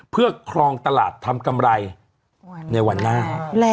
เพื่อครองตลาดทำกำไรในวันหน้า